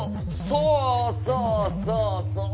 そうそうそうそう。